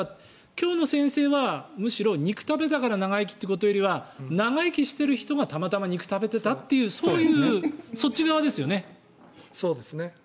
今日の先生はむしろ肉食べたから長生きというよりは長生きしていた人がたまたま肉を食べていたというそういう、そっち側ですよね。